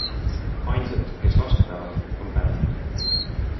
Ainsad, kes vastu peavad, on pärnad.